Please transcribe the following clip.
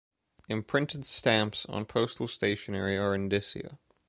Imprinted stamps on postal stationery are indicia.